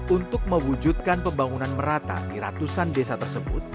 untuk mewujudkan pembangunan merata di ratusan desa tersebut